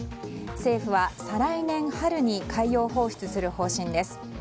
政府は再来年春に海洋放出する方針です。